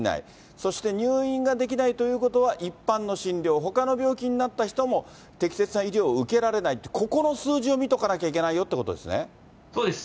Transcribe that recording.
そして入院ができないということは、一般の診療、ほかの病気になった人も適切な医療を受けられないって、ここの数字を見とかなきゃいけないよということですね。